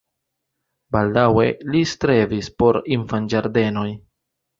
Baldaŭe li strebis por infanĝardenoj.